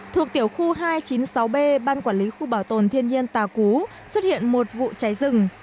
thuộc tiểu khu hai trăm chín mươi sáu b ban quản lý khu bảo tồn thiên nhiên tà cú xuất hiện một vụ cháy rừng